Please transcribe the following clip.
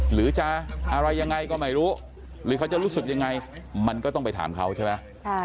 หรือจะอะไรยังไงก็ไม่รู้หรือเขาจะรู้สึกยังไงมันก็ต้องไปถามเขาใช่ไหม